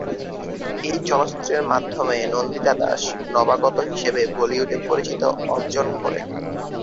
এই চলচ্চিত্রের মাধ্যমে নন্দিতা দাস নবাগত হিসেবে বলিউডে পরিচিতি অর্জন করেন।